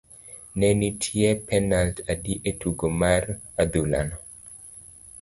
ne nitie penalt adi e tugo mar adhula no?